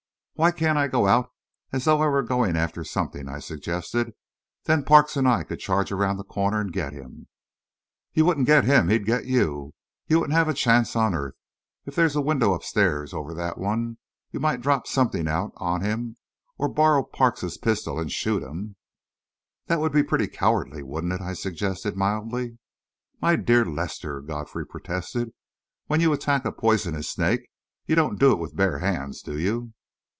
"Why can't I go out as though I were going after something," I suggested. "Then Parks and I could charge around the corner and get him." "You wouldn't get him, he'd get you. You wouldn't have a chance on earth. If there is a window upstairs over that one, you might drop something out on him, or borrow Parks's pistol and shoot him " "That would be pretty cowardly, wouldn't it?" I suggested, mildly. "My dear Lester," Godfrey protested, "when you attack a poisonous snake, you don't do it with bare hands, do you?"